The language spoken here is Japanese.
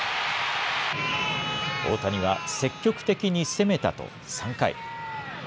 大谷は積極的に攻めたと、３回。